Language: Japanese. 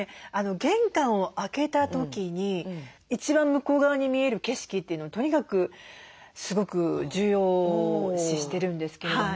玄関を開けた時に一番向こう側に見える景色というのをとにかくすごく重要視してるんですけれども。